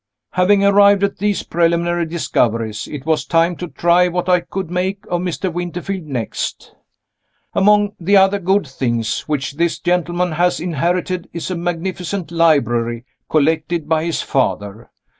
Having arrived at these preliminary discoveries, it was time to try what I could make of Mr. Winterfield next. Among the other good things which this gentleman has inherited is a magnificent library collected by his father.